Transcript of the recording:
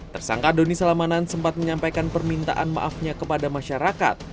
tersangka doni salaman sempat menyampaikan permintaan maafnya kepada masyarakat